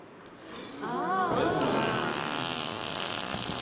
Pes me nye.